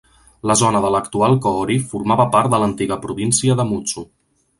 La zona de l'actual Koori formava part de l'antiga província de Mutsu.